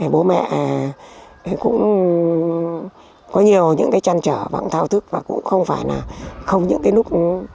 bố mẹ cũng có nhiều những cái trăn trở cũng thao thức và cũng không phải là không những cái lúc